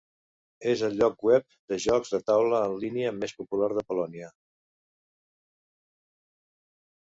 És el lloc web de jocs de taula en línia més popular de Polònia.